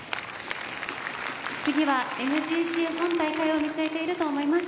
次はＭＧＣ本大会を見据えていると思います。